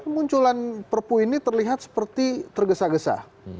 munculan perpu ini terlihat seperti tergesa gesa